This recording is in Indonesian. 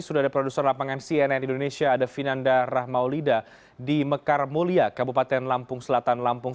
sudah ada produser lapangan cnn indonesia ada vinanda rahmaulida di mekar mulia kabupaten lampung selatan lampung